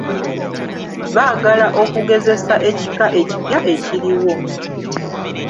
Baagala okugezesa ekika ekipya ekiriwo.